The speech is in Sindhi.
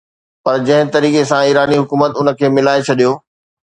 پر جنهن طريقي سان ايراني حڪومت ان کي ملائي ڇڏيو